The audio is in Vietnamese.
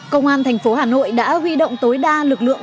công an thành phố hà nội đã huy động tối đa lực lượng